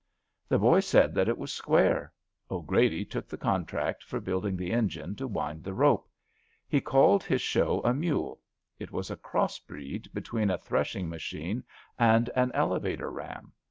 The boys said that was square, 'Grady took the contract for building the engine to wind the rope. He called his show a mule — ^it was a crossbreed between a threshing machine and an elevator ram.